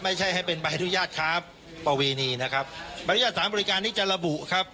ไม่ใช่ให้เป็นใบนุญาตนะครับใบนุญาตสถานบริการนี่จะระบุครับ